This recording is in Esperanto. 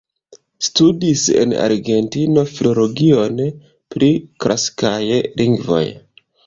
Studis en Argentino Filologion pri Klasikaj Lingvoj.